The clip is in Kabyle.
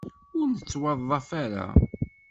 Ur nettwaḍḍaf ara.